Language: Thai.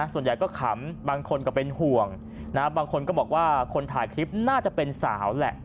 ส่วนใหญ่ก็ขำบางคนก็เป็นห่วงบางคนก็บอกว่าคนถ่ายคลิปน่าจะเป็นสาวแหละ